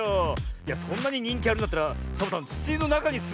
いやそんなににんきあるんだったらサボさんつちのなかにすもうかな。